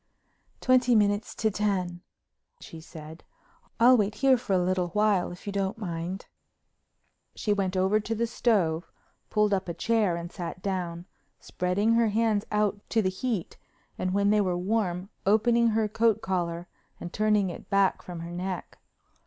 "Twenty minutes to ten," she said. "I'll wait here for a little while if you don't mind." She went over to the stove, pulled up a chair and sat down, spreading her hands out to the heat, and when they were warm, opening her coat collar, and turning it back from her neck.